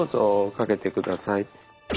掛けてください。